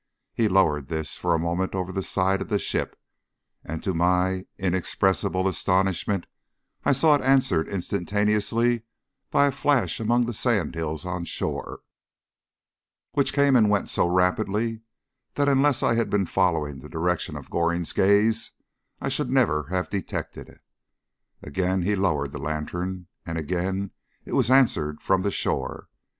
He lowered this for a moment over the side of the ship, and, to my inexpressible astonishment, I saw it answered instantaneously by a flash among the sand hills on shore, which came and went so rapidly, that unless I had been following the direction of Goring's gaze, I should never have detected it. Again he lowered the lantern, and again it was answered from the shore.